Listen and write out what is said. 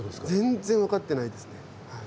全然分かってないですね。